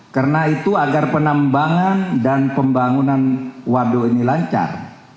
karena itu agar penambangan dan pembangunan waduk ini lancar